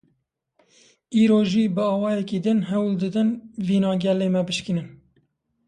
Îro jî bi awayekî din hewl didin vîna gelê me bişkînin.